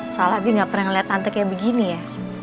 soalnya dia gak pernah ngeliat tante kayak begini ya